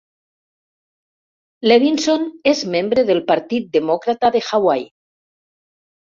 Levinson és membre del Partit Demòcrata de Hawaii.